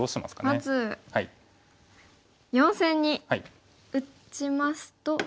まず４線に打ちますと。